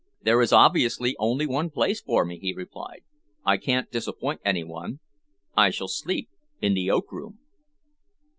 "There is obviously only one place for me," he replied. "I can't disappoint any one. I shall sleep in the oak room."